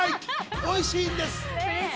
おいしいんです。